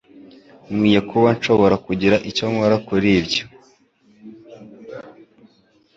Nkwiye kuba nshobora kugira icyo nkora kuri ibyo.